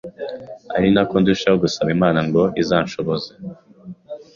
ari nako ndushaho gusaba Imana ngo izanshoboze